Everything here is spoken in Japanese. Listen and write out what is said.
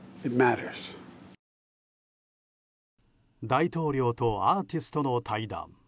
大統領とアーティストの対談。